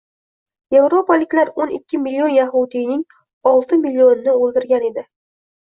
Yevropaliklar o'n ikki million yahudiyning olti millionini o‘ldirgan edi